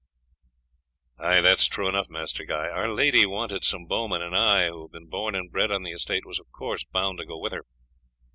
"That is true enough, Master Guy. Our lady wanted some bowmen, and I, who have been born and bred on the estate, was of course bound to go with her.